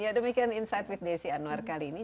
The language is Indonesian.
ya demikian insight with desi anwar kali ini